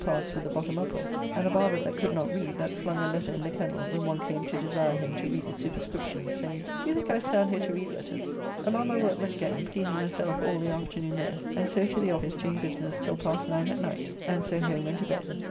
Among other stories, he told us of the Mayor of Bristoll's reading a pass with the bottom upwards; and a barber that could not read, that flung a letter in the kennel when one came to desire him to read the superscription, saying, "Do you think I stand here to read letters?" Among my workmen again, pleasing myself all the afternoon there, and so to the office doing business till past 9 at night, and so home and to bed.